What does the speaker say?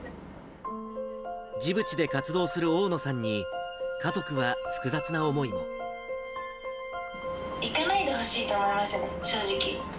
ジブチで活動する大野さんに、行かないでほしいと思いましたね、正直。